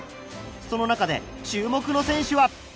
その中で注目の選手は。